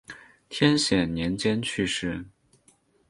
天显年间去世。